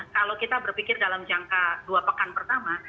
kalau kita berpikir dalam jangka dua pekan pertama